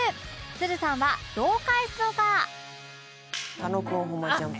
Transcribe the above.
つるさんはどう返すのか？